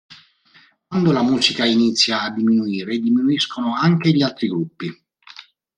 Quando la musica inizia a diminuire, diminuiscono anche gli altri gruppi.